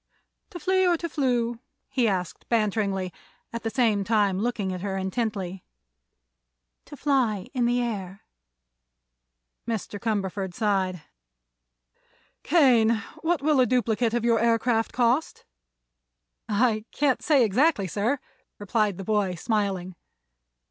"To flee or to flew?" he asked, banteringly, at the same time looking at her intently. "To fly in the air." Mr. Cumberford sighed. "Kane, what will a duplicate of your aircraft cost?" "I can't say exactly, sir," replied the boy, smiling.